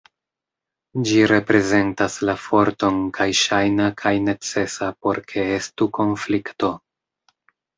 Ĝi reprezentas la forton kaj ŝajna kaj necesa por ke estu konflikto.